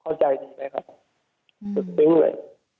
เข้าใจดีไหมครับสุดติ๊งเลย